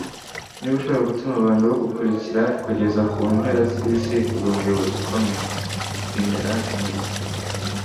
niba ushobora gutuma abantu bagukurikira kugera ku mpera z'isi, uri umuyobozi ukomeye. - indra nooyi